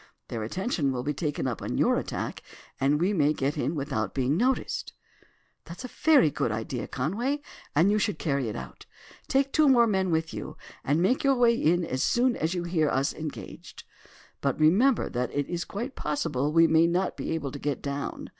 Their attention will be taken up with your attack, and we may get in without being noticed." "That's a very good idea, Conway; and you shall carry it out. Take two more men with you, and make your way in as soon as you hear us engaged. But remember that it is quite possible we may not be able to get down.